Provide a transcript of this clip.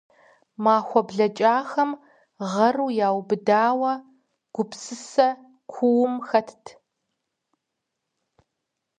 Махуэ блэкӏахэм гъэру яубыдауэ, гупсысэ куум хэтт.